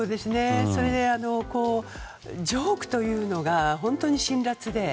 それもジョークというのが本当に辛辣で。